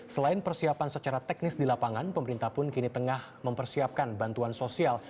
selain persiapan secara teknis di lapangan pemerintah pun kini tengah mempersiapkan bantuan sosial